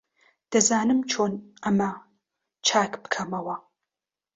دەزانم چۆن ئەمە چاک بکەمەوە.